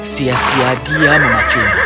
sia sia dia memacunya